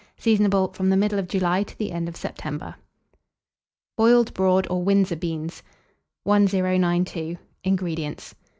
Seasonable from the middle of July to the end of September. BOILED BROAD OR WINDSOR BEANS. 1092. INGREDIENTS.